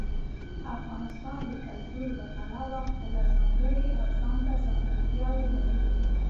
افغانستان د کلتور له پلوه خپله ځانګړې او ځانته ځانګړتیاوې لري.